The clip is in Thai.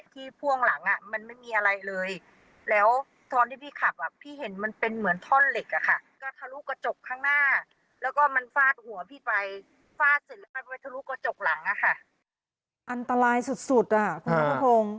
ทะลุกระจกหลังนะค่ะอันตรายสุดสุดอ่ะคุณพระพงษ์